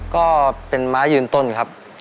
ก็เป็นม้ายืนต้นครับ